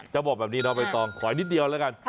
บอกแบบนี้น้องใบตองขออีกนิดเดียวแล้วกัน